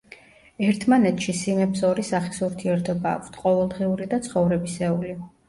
ერთმანეთში სიმებს ორი სახის ურთიერთობა აქვთ: ყოველდღიური და ცხოვრებისეული.